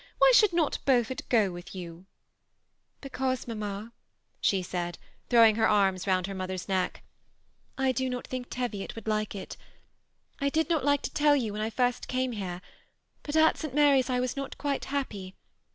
Why should not Beaufort go with you ?" "Because, mamma," she said, throwing her arms THE SEMI ATTACHBD COUPLE. 295 round her mother's neck, ''I do not think Teviot would like it I did not like to tell you when first I came here, but at St. Mary's I was not quite happy.